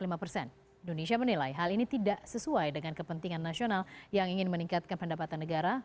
indonesia menilai hal ini tidak sesuai dengan kepentingan nasional yang ingin meningkatkan pendapatan negara